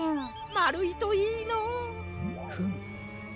まるいといいのう。フム。